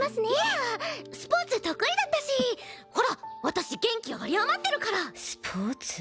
あスポーツ得意だったしほら私元気あり余ってるからスポーツ？